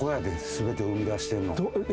全てを生み出してんの。